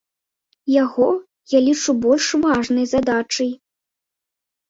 Яго я лічу больш важнай задачай.